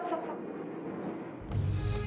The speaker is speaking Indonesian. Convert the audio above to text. masih ada yang mau ngomong